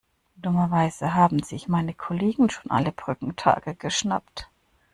Dummerweise haben sich meine Kollegen schon alle Brückentage geschnappt.